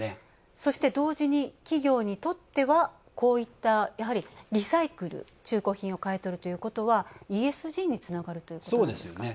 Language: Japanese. そして、同時に企業にとってはこういった、リサイクル、中古品を買い取るということはＥＳＧにつながるということなんですか。